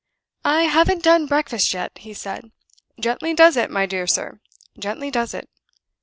"I haven't done breakfast yet," he said. "Gently does it, my dear sir gently does it."